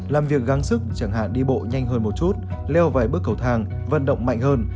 làm việc gắn sức chẳng hạn đi bộ nhanh hơn một chút leo vài bước cầu thang vận động mạnh hơn